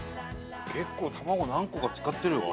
結構卵何個か使ってるよ